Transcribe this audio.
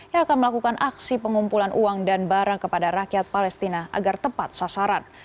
yang akan melakukan aksi pengumpulan uang dan barang kepada rakyat palestina agar tepat sasaran